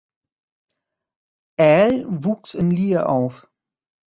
Al wuchs in Lier auf.